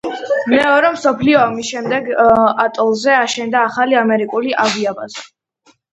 მეორე მსოფლიო ომის შემდეგ ატოლზე აშენდა ახალი ამერიკული ავიაბაზა.